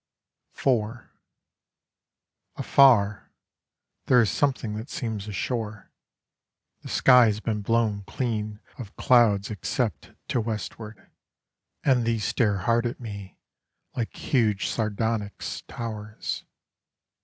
IV Afar There is something that seems a shore; The sky has been blown clean of clouds except to westward, And these stare hard at me, like huge sardonyx towers.